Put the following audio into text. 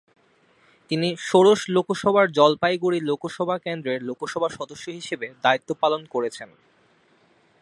তিনি ষোড়শ লোকসভায় জলপাইগুড়ি লোকসভা কেন্দ্রের লোকসভা সদস্য হিসেবে দায়িত্ব পালন করেছেন।